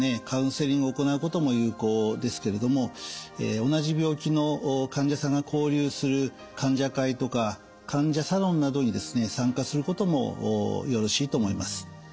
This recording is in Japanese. カウンセリングを行うことも有効ですけれども同じ病気の患者さんが交流する患者会とか患者サロンなどにですね参加することもよろしいと思います。